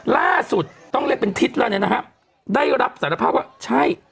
ล่าสุดต้องเรียกเป็นทิศแล้วเนี่ยนะฮะได้รับสารภาพว่าใช่